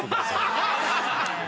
アハハハ！